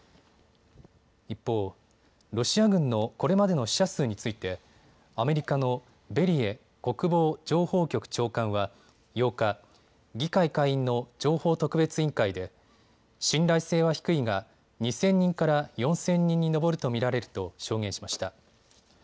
一方、ロシア軍のこれまでの死者数についてアメリカのベリエ国防情報局長官は８日、議会下院の情報特別委員会で信頼性は低いが２０００人から４０００人に上ると見られると証言しました。